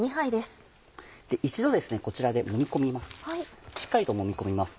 一度こちらでもみ込みます